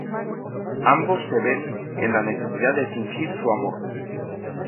Ambos se ven en la necesidad de fingir su amor.